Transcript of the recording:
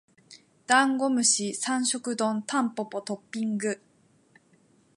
ダンゴムシ三食丼タンポポトッピング